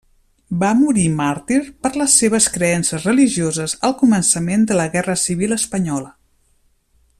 Va morir màrtir per les seves creences religioses al començament de la Guerra Civil espanyola.